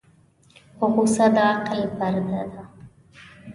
غوسه د عقل پرده ده.